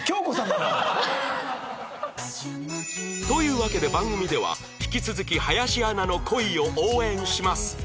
というわけで番組では引き続き林アナの恋を応援します